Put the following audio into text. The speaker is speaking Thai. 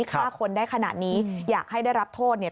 ฆ่าคนได้ขนาดนี้อยากให้ได้รับโทษเนี่ย